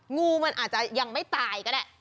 งูมันอาจจะยังไม่ตายก็ได้